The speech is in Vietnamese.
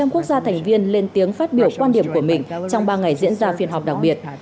một mươi quốc gia thành viên lên tiếng phát biểu quan điểm của mình trong ba ngày diễn ra phiên họp đặc biệt